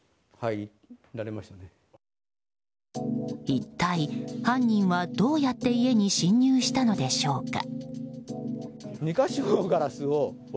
一体、犯人はどうやって家に侵入したのでしょうか。